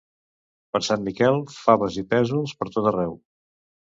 Per Sant Miquel, faves i pèsols pertot arreu.